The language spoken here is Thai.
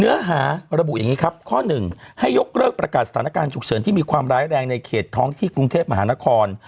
เนื้อหาระบุอย่างนี้ครับข้อหนึ่งให้ยกเลิกประกาศสถานการณ์ฉุกเฉินที่มีความร้ายแรงในเขตท้องที่กรุงเทพมหานคร